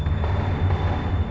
aku bisa sembuh